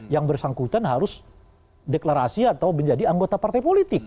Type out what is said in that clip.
yang bersangkutan harus deklarasi atau menjadi anggota partai politik